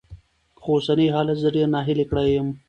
خو اوسني حالات زه ډېره ناهيلې کړې يم.